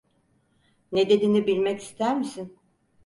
Nedenini bilmek ister misin?